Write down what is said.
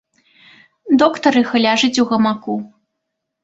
Доктарыха ляжыць у гамаку.